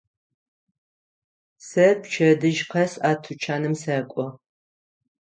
Сэ пчэдыжь къэс а тучаным сэкӏо.